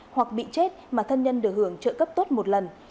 hoặc bị chết mà thân nhân được hưởng trợ cấp tốt một lần